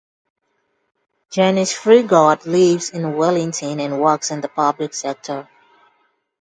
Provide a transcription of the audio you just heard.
Janis Freegard lives in Wellington and works in the public sector.